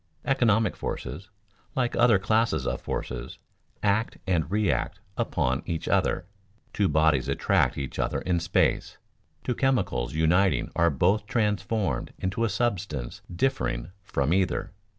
Economic forces, like other classes of forces, act and react upon each other. Two bodies attract each other in space; two chemicals uniting are both transformed into a substance differing from either.